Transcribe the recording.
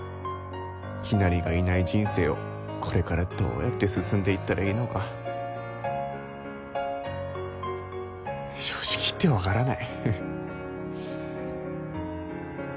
きなりがいない人生をこれからどうやって進んでいったらいいのか正直言って分からない。